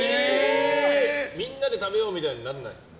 みんなで食べようみたいにならないんですか？